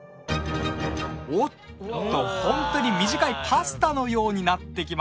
おっとホントに短いパスタのようになってきました。